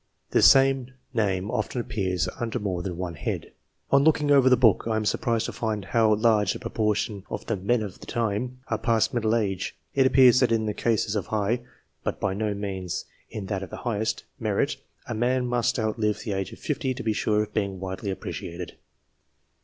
The same name often appears under more than one head. On looking over the book, I am surprised to find how large a proportion of the "Men of the Time" are past middle age. It appears that in the cases of high (but by no means in that of the highest) merit, a man must outlive the age of fifty to be sure of being widely appreciated.